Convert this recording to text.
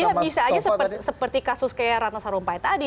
karena bisa aja seperti kasus kayak rata sarumpai tadi